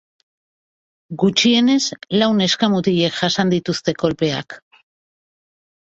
Gutxienez lau neska-mutilek jasan dituzte kolpeak.